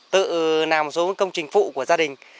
tự làm một số công trình phụ của gia đình